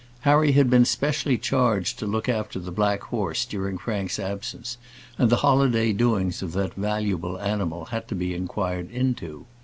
Harry had been specially charged to look after the black horse during Frank's absence, and the holiday doings of that valuable animal had to be inquired into.